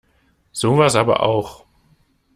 Sowas aber auch!